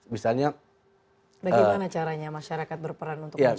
bagaimana caranya masyarakat berperan untuk menjaga kejahatan